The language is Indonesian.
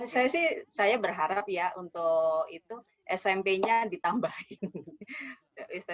saya sih saya berharap ya untuk itu smp nya ditambahin